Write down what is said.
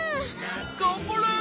がんばれ！